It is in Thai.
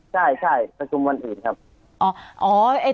ใช่ประชุมวันอื่นครับ